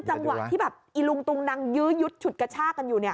จังหวะที่แบบอีลุงตุงนังยื้อยุดฉุดกระชากันอยู่